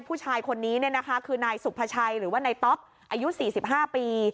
ผู้ชายคนนี้คือนายสุภาชัยหรือว่านายต๊อปอายุ๔๕ปี